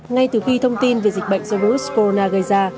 ngay từ khi thông tin về dịch bệnh do virus corona gây ra